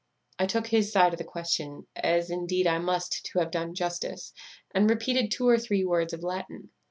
I took his side of the question, as indeed I must to have done justice, and repeated two or three words of Latin.